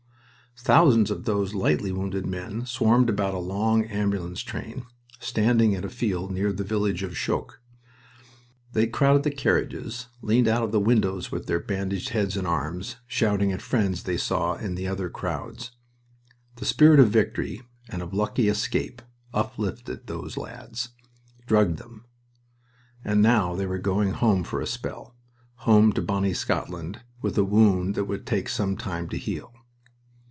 Thousands of those lightly wounded men swarmed about a long ambulance train standing in a field near the village of Choques. They crowded the carriages, leaned out of the windows with their bandaged heads and arms, shouting at friends they saw in the other crowds. The spirit of victory, and of lucky escape, uplifted those lads, drugged them. And now they were going home for a spell. Home to bonny Scotland, with a wound that would take some time to heal.